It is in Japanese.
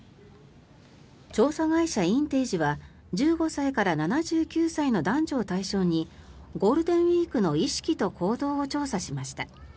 調査会社インテージは１５歳から７９歳の男女を対象にゴールデンウィークの意識と行動を調査しました。